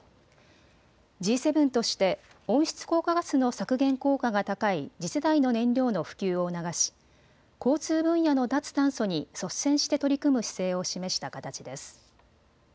Ｇ７として温室効果ガスの削減効果が高い次世代の燃料の普及を促し、交通分野の脱炭素に率先して取り組む姿勢を示した形です。